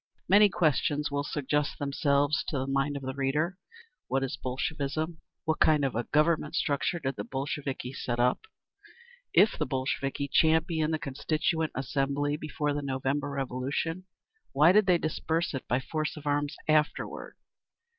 Many questions will suggest themselves to the mind of the reader. What is Bolshevism? What kind of a governmental structure did the Bolsheviki set up? If the Bolsheviki championed the Constituent Assembly before the November Revolution, why did they disperse it by force of arms afterward?